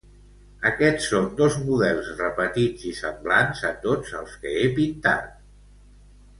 Aquests són dos models repetits i semblants a tots els que he pintat.